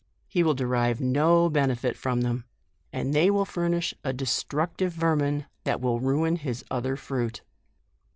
He will derive no benefit from them, and they will furnish a destructive vermin that will ruin his other fruit.